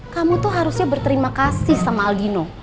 kamu tuh harusnya berterima kasih sama aldino